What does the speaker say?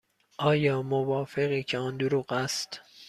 آیا موافقی که آن دروغ است؟